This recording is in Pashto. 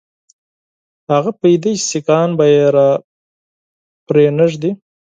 هغه پوهېدی سیکهان به یې را پرې نه ږدي.